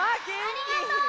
ありがとう！